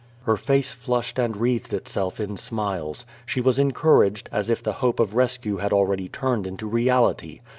Her face flushed and wreathed itself in smiles. She was encouraged, as if the ho])e of rescue had already turned into reality.